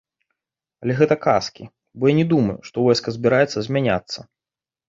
Але гэта казкі, бо я не думаю, што войска збіраецца змяняцца.